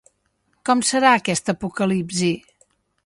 Com serà aquesta apocalipsi?